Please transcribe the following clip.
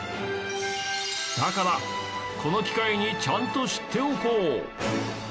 だから、この機会にちゃんと知っておこう！